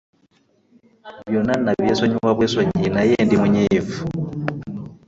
Byonna nabyesonyiwa bwesonyiyi naye ndi munyiivu.